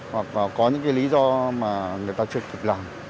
hoặc có những cái lý do mà người ta trực tiếp làm